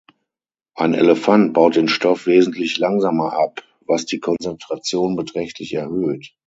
Ein Elefant baut den Stoff wesentlich langsamer ab, was die Konzentration beträchtlich erhöht.